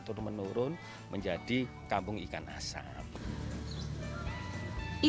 turun menurun menjadi kampung kampung yang lain terima kasih